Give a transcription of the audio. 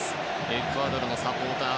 エクアドルのサポーター。